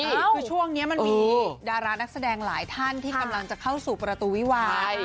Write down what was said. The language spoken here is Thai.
คือช่วงนี้มันมีดารานักแสดงหลายท่านที่กำลังจะเข้าสู่ประตูวิวาย